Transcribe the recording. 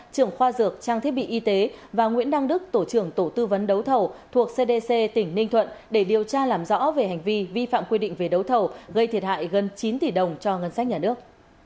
trưởng khoa dược trang thiết bị y tế và nguyễn đăng đức tổ trưởng tổ tư vấn đấu thầu thuộc cdc tỉnh ninh thuận để điều tra làm rõ về hành vi vi phạm quy định về đấu thầu gây thiệt hại gần chín tỷ đồng cho ngân sách nhà nước